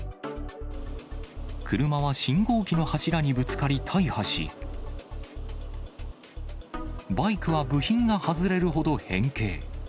車は信号機の柱にぶつかり大破し、バイクは部品が外れるほど変形。